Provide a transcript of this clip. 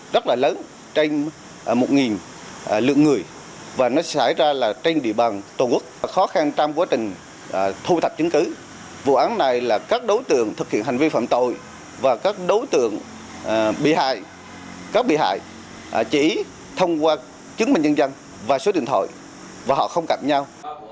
rất là lớn trên một lượng người và nó xảy ra là trên địa bàn tổ quốc khó khăn trong quá trình thu thập chứng cứ vụ án này là các đối tượng thực hiện hành vi phạm tội và các đối tượng bị hại các bị hại chỉ thông qua chứng minh nhân dân và số điện thoại và họ không cạm nhau